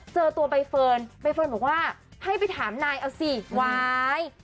เจอตัวใบเฟิร์นใบเฟิร์นบอกว่าให้ไปถามนายเอาสิว้าย